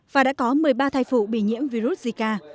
và đã có một mươi ba thai phụ bị nhiễm virus zika